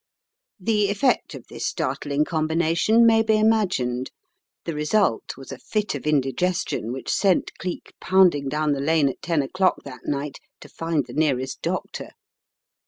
The effect of this startling combination may be imagined. The result was a fit of indigestion which sent Cleek pounding down the lane at ten o'clock that night to find the nearest doctor.